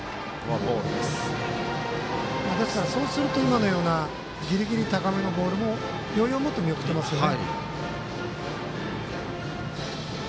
そうすると、今のようなギリギリ高めのボールも余裕を持って見送っていますよね。